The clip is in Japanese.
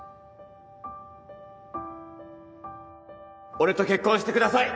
俺と結婚してください！